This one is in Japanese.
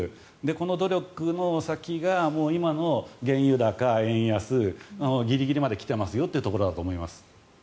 この努力の先が今の原油高、円安ギリギリまで来てますよというところだと思います。